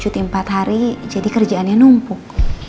ya pak karena bapak cuti empat hari jadi kerjaannya numpuk